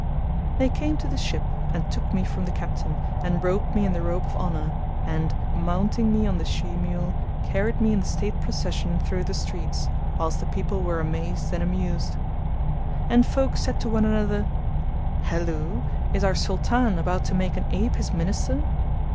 They came to the ship and took me from the Captain and robed me in the robe of honour and, mounting me on the she mule, carried me in state procession through the streets', whilst the people were amazed and amused. And folk said to one another, "Halloo! is our Sultan about to make an ape his Minister?"